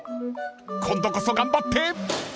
［今度こそ頑張って］